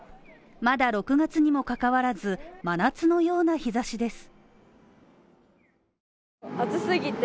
まだ６月にもかかわらず真夏のような日ざしです。